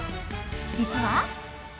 実は。